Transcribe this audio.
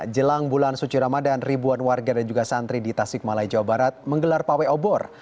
jelang bulan suci ramadan ribuan warga dan juga santri di tasik malaya jawa barat menggelar pawai obor